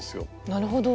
なるほど。